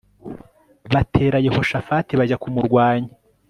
batera Yehoshafati bajya kumurwanya